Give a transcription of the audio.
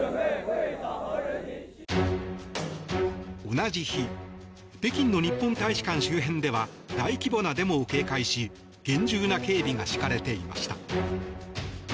同じ日北京の日本大使館周辺では大規模なデモを警戒し厳重な警備が敷かれていました。